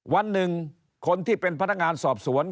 วันหนึ่งคนที่เป็นพนักงานสอบสวน